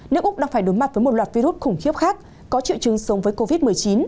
nước úc đang phải đối mặt với một loạt virus khủng khiếp khác có triệu chứng sống với covid một mươi chín